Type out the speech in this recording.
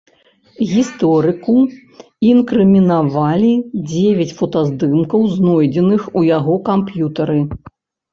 Гісторыку інкрымінавалі дзевяць фотаздымкаў, знойдзеных у яго камп'ютары.